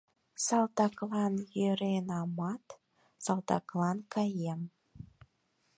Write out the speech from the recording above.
Салтаклан йӧренамат, салтаклан каем.